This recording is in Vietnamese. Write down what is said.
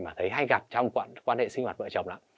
mà thấy hay gặp trong quan hệ sinh hoạt vợ chồng lắm